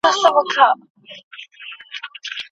ړانده سړي د ږیري سره ډېري مڼې خوړلي وې.